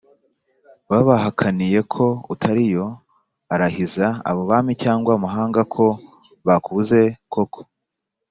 Babahakaniye ko utariyo, arahiza abo bami cyangwa amahanga ko bakubuze koko